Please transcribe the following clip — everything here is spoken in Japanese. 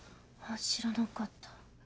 知らなかった。